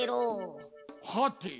はて？